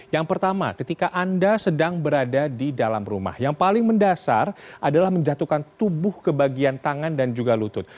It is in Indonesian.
yang pertama ketika anda sedang berada di dalam rumah yang paling mendasar adalah menjatuhkan tubuh ke bagian tangan dan juga lutut